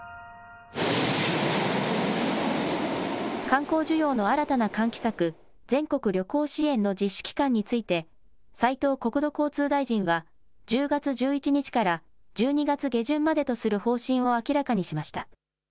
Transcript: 観光需要の新たな喚起策、全国旅行支援の実施期間について、斉藤国土交通大臣は、１０月１１日から１２月下旬までとする方針を明らかにしました。